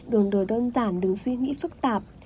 đường đời đơn giản đừng suy nghĩ phức tạp